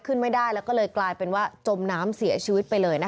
ไม่ได้แล้วก็เลยกลายเป็นว่าจมน้ำเสียชีวิตไปเลยนะคะ